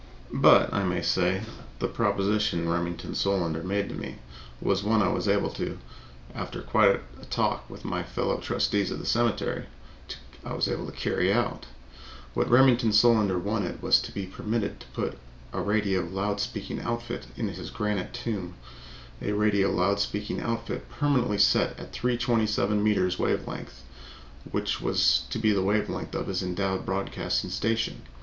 But, I may say, the proposition Remington Solander made to me was one I was able, after quite a little talk with my fellow trustees of the cemetery, to carry out. What Remington Solander wanted was to be permitted to put a radio loud speaking outfit in his granite tomb a radio loud speaking outfit permanently set at 327 meters wave length, which was to be the wave length of his endowed broadcasting station.